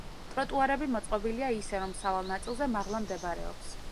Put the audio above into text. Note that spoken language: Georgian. ტროტუარები მოწყობილია ისე რომ სავალ ნაწილზე მაღლა მდებარეობს.